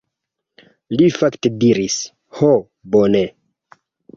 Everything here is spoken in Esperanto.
Li fakte diris: "Ho, bone."